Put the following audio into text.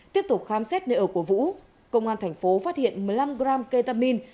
tiếp tục khám xét nơi ở của vũ công an thành phố phát hiện một mươi năm g ketamine